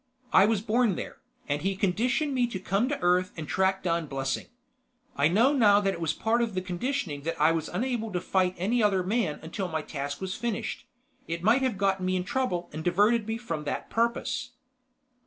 I was born there, and he conditioned me to come to Earth and track down Blessing. I know now that it was part of the conditioning that I was unable to fight any other man until my task was finished: it might have gotten me in trouble and diverted me from that purpose."